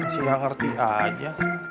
silah ngerti aja